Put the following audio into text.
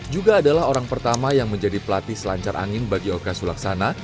juga adalah orang pertama yang menjadi pelatih selancar angin bagi oka sulaksana